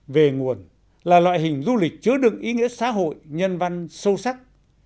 về nguồn là loại hình du lịch chứa đựng ý nghĩa xã hội nhân văn sâu sắc